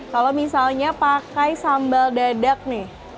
kalau misalnya pakai sambal dadak nih